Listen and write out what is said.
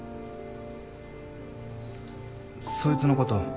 そいつのこと